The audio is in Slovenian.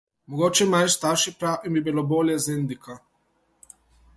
Mogoče imajo starši prav in bi mi bilo bolje z Indijko.